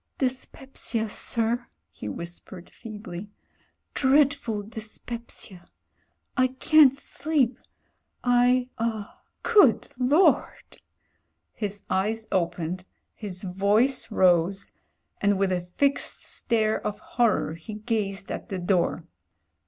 "Dyspepsia, sir," he whispered feebly. "Dreadful dyspepsia. I can't sleep, I— er — Good Lord!" His eyes opened, his voice rose, and with a fixed stare of horror he gazed at the door.